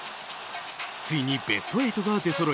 ついにベスト８が出そろい